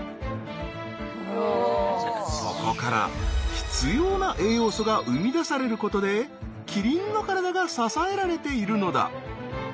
そこから必要な栄養素が生み出されることでキリンの体が支えられているのだ。